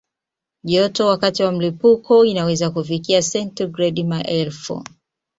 Joto wakati wa mlipuko inaweza kufikia sentigredi maelfu.